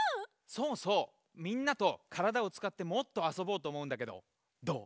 そうそうみんなとからだをつかってもっとあそぼうとおもうんだけどどう？